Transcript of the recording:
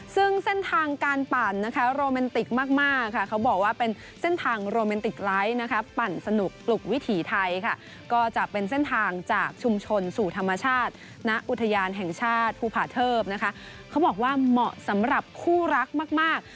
ซึ่งเส้นทางการปั่นนะคะโรแมนติกมากค่ะเขาบอกว่าเป็นเส้นทางโรแมนติกไลท์นะคะปั่นสนุกปลุกวิถีไทยค่ะก็จะเป็นเส้นทางจากชุมชนสู่ธรรมชาติณอุทยานแห่งชาติภูผาเทิบนะคะเขาบอกว่าเหมาะสำหรับคู่รักมากมาก